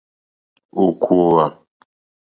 Ò kòòwà.